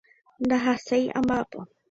Ndahaséi amba'apo.